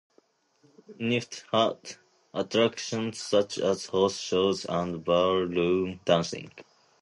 Lynnfield had attractions such as horse shows and ballroom dancing.